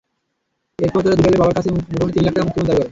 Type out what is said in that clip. এরপর তারা দুলালের বাবার কাছে মুঠোফোনে তিন লাখ টাকা মুক্তিপণ দাবি করে।